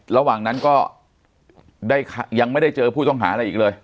ระหว่างนั้นก็ยังไม่ได้เจอผู้ต้องหาอะไรอีกเลย